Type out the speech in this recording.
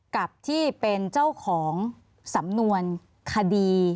กับที่เป็นเจ้าของสำนวนคดี